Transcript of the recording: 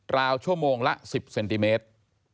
ราวชั่วโมงละ๑๐เซนติเมตร